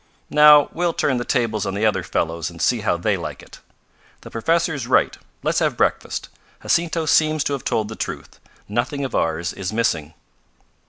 Now we'll turn the tables on the other fellows and see how they like it. The professor's right let's have breakfast. Jacinto seems to have told the truth. Nothing of ours is missing."